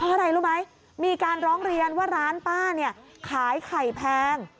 เพราะอะไรรู้ไหมมีการร้องเรียนว่าร้านป้าเนี่ยขายไข่แพง